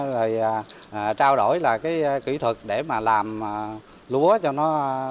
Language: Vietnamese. rồi trao đổi về kỹ thuật để làm lúa cho nó